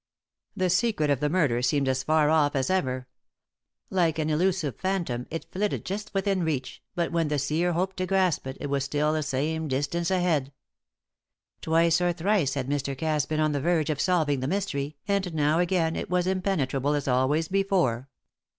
The secret of the murder seemed as far off as ever Like an elusive phantom it flitted just within reach, but when the seer hoped to grasp it, it was still the same distance ahead. Twice or thrice had Mr. Cass been on the verge of solving the mystery, and now again it was impenetrable as always before.